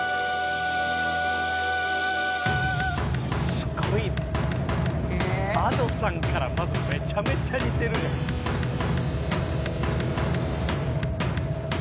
すごいねすげえＡｄｏさんからまずめちゃめちゃ似てるじゃんよっ！